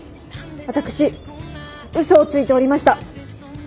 私嘘をついておりました。